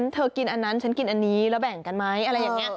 เธอกินอันนั้นฉันกินอันนี้แล้วแบ่งกันไหมอะไรอย่างนี้